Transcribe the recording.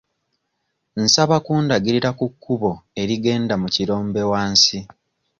Nsaba kundagirira ku kkubo erigenda mu kirombe wansi.